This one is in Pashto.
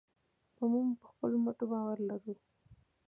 موږ په خپلو مټو باور لرو.